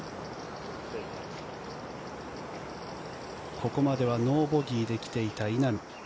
ここまではノーボギーで来ていた稲見。